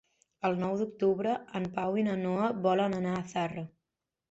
El nou d'octubre en Pau i na Noa volen anar a Zarra.